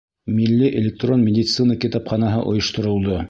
Милли электрон медицина китапханаһы ойошторолдо.